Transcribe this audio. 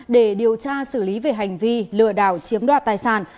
để điều tra xử lý về hành vi lừa đảo chiếm đoạt tài sản